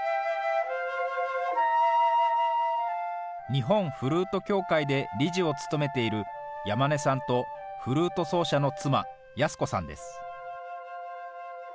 日本フルート協会で理事を務めている山根さんとフルート奏者の妻、康子さんです。